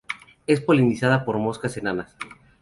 Es polinizada por moscas enanas.